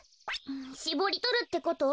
しぼりとるってこと？